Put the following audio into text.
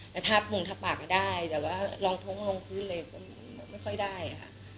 แต่ถ้าตรงทะปะก็ได้แดดว่าลองท้องลงพื้นเลยก็ไม่ค่อยได้อ่ะ